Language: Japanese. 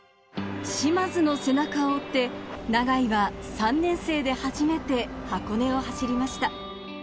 嶋津の背中を追って、永井は３年生で初めて箱根を走りました。